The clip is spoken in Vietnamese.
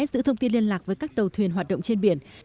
giữ thông tin liên lạc với các tàu thuyền hoạt động trên biển